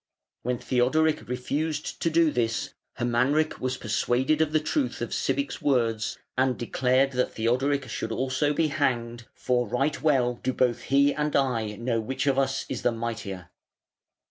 When Theodoric refused to do this Hermanric was persuaded of the truth of Sibich's words, and declared that Theodoric also should be hanged, "for right well do both he and I know which of us is the mightier".